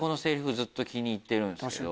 ずっと気に入ってるんです。